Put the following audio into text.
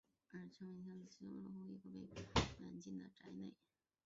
而陈文香在西贡陷落后一度被北越军软禁在宅内。